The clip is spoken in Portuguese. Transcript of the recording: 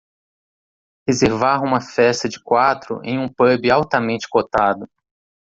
reservar uma festa de quatro em um pub altamente cotado